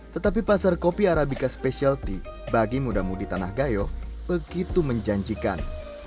tetapi pasar kopi arabica specialty bagi muda mudi tanah gayo begitu menjanjikan